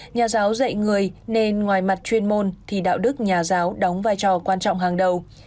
nhà giáo dạy người nên ngoài mặt chuyên môn thì đạo đức nhà giáo đóng vai trò quan trọng hàng đầu